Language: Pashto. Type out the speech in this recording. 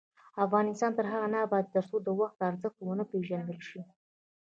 افغانستان تر هغو نه ابادیږي، ترڅو د وخت ارزښت ونه پیژندل شي.